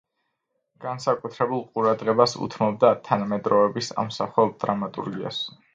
განსაკუთრებულ ყურადღებას უთმობდა თანამედროვეობის ამსახველ დრამატურგიას.